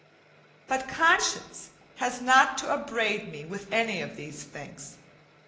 But conscience has not to upbraid me with any of these things.